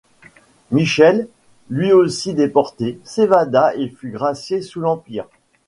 Michel, lui aussi déporté, s’évada et fut gracié sous l’Empire.